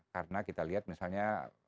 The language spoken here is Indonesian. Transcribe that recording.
karena kita lihat misalnya